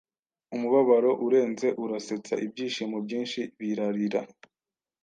Umubabaro urenze urasetsa. Ibyishimo byinshi birarira.